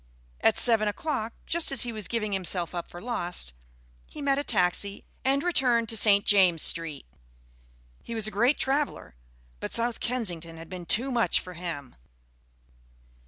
At seven o'clock, just as he was giving himself up for lost, he met a taxi and returned to St. James' Street. He was a great Traveller, but South Kensington had been too much for him.